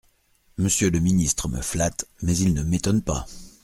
Monsieur le ministre me flatte, mais il ne m'étonne pas.